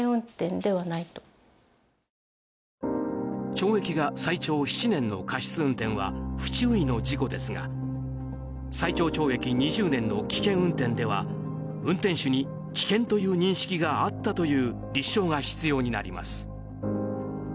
懲役が最長７年の過失運転は不注意の事故ですが最長懲役２０年の危険運転では運転手に危険という認識があったという立証が必要になります。